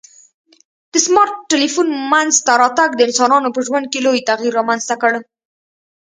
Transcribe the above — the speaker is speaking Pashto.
د سمارټ ټلیفون منځته راتګ د انسانانو په ژوند کي لوی تغیر رامنځته کړ